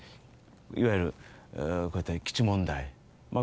いわゆるこういった基地問題まあ